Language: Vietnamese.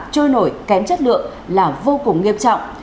trôi nổi kém chất lượng là vô cùng nghiêm trọng